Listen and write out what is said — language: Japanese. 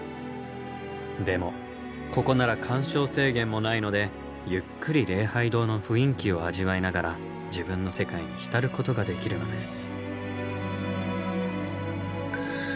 でもここなら鑑賞制限もないのでゆっくり礼拝堂の雰囲気を味わいながら自分の世界に浸ることができるのです。